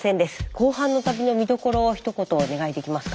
後半の旅の見どころをひと言お願いできますか？